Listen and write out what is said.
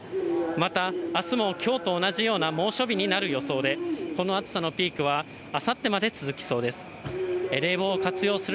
また、あすもきょうと同じような猛暑日になる予想で、この暑さのピークは、あさってまで続きそうです。